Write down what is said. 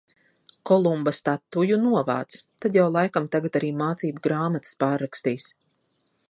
Kolumba statuju novāc, tad jau laikam tagad arī mācību grāmatas pārrakstīs.